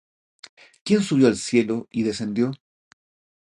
¿Quién subió al cielo, y descendió?